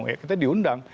ya kita diundang